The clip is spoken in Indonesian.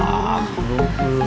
ah belum belum sakit